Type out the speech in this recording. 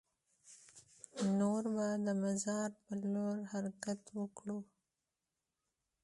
نور به د مزار په لور حرکت وکړو.